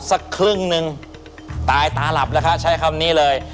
สักครึ่งหนึ่งตายตาหลับแล้วค่ะใช้คำนี้เลย